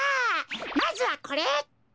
まずはこれ。